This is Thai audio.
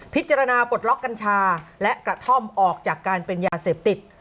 ปลดล็อกกัญชาและกระท่อมออกจากการเป็นยาเสพติด